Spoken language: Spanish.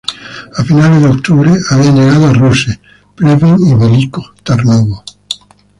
A finales de octubre, habían llegado a Ruse, Pleven y Veliko Tarnovo.